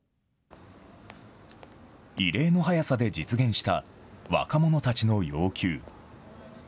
異例の早さで実現した若者たちの要求。